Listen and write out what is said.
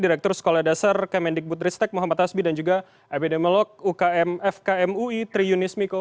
direktur sekolah dasar kemendikbud ristek muhammad tasbi dan juga epidemiolog ukm fkm ui tri yunis miko